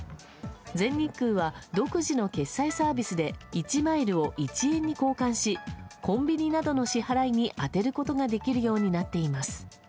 全日空は独自の決済サービスで１マイルを１円に交換しコンビニなどの支払いに充てることができるようになっています。